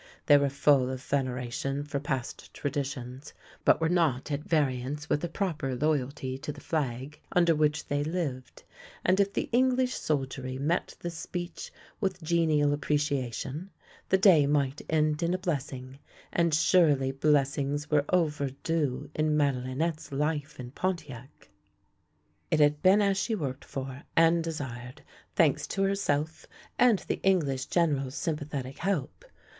They were full of veneration for past traditions, but were not at variance with a proper loyalty to the flag under which they lived, and if the English soldiery met the speech with genial appreciation the day might end in a blessing — and surely blessings were overdue in Madelinette's life in Pontiac! It had been as she worked for and desired, thanks to herself and the English General's sympathetic help.